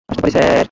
আসতে পারি, স্যার?